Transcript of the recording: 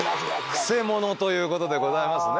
クセ者ということでございますね。